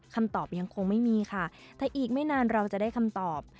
คำตอบยังคงไม่มีค่ะแต่อีกไม่นานเราจะได้คำตอบ